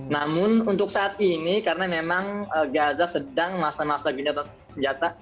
namun untuk saat ini karena memang gaza sedang masa masa gini atas senjata